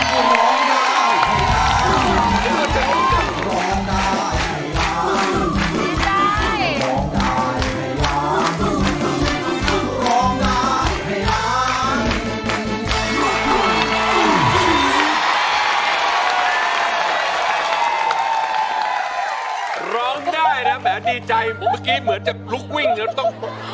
ร้องได้นะแหมดีใจเมื่อกี้เหมือนจะลุกวิ่งจนต้อง